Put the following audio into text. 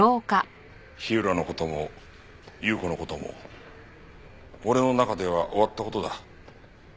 火浦の事も有雨子の事も俺の中では終わった事だ。